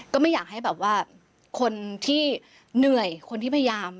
ก็ไม่อยากให้แบบว่าคนที่เหนื่อยคนที่พยายาม